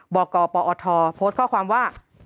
บกปอทโพสต์ข้อความว่า